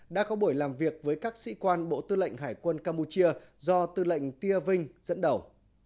đã có buổi làm việc với các sĩ quan bộ tư lệnh hải quân campuchia do tư lệnh tia vinh dẫn đầu